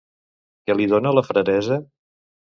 Què li dona la fraressa?